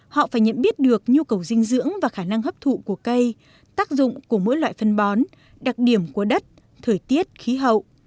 họ phải nhận biết được nhu cầu dinh dưỡng và khả năng hấp thụ của cây tác dụng của mỗi loại phân bón đặc điểm của đất thời tiết khí hậu